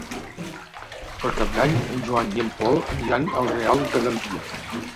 Per Cap d'Any en Joan i en Pol aniran al Real de Gandia.